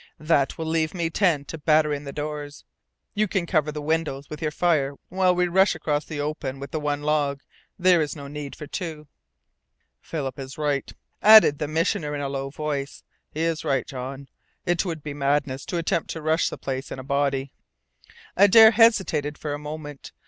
That will leave me ten to batter in the doors. You can cover the windows with your fire while we rush across the open with the one log. There is no need for two." "Philip is right," added the Missioner in a low voice. "He is right, John. It would be madness to attempt to rush the place in a body." Adare hesitated for a moment.